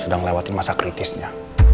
sudah ngelewatin masa kritisnya